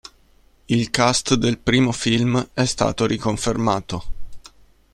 Il cast del primo film è stato riconfermato.